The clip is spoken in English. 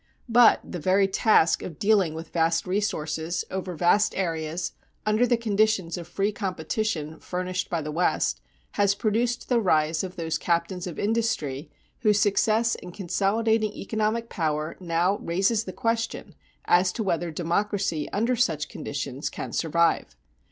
But the very task of dealing with vast resources, over vast areas, under the conditions of free competition furnished by the West, has produced the rise of those captains of industry whose success in consolidating economic power now raises the question as to whether democracy under such conditions can survive.